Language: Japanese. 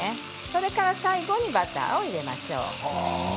それから最後にバターを入れましょう。